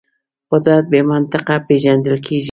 قدرت بې منطقه پېژندل کېږي.